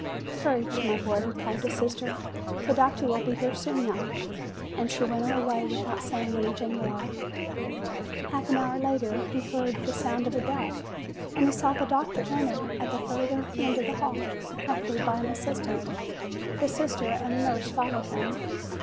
"Courage, my boy," replied the sister; "the doctor will be here soon now." And she went away with out saying anything more. Half an hour later he heard the sound of a bell, and DADDY'S NURSE 135 he saw the doctor enter at the further end of the hall, accompanied by an assistant; the sister and a nurse followed him.